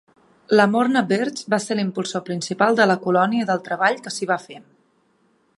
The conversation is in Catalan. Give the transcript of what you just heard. Lamorna Birch va ser l'impulsor principal de la colònia i del treball que s'hi va fer.